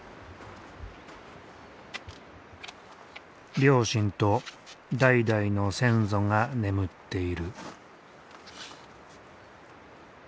両親と代々の先祖が眠っている。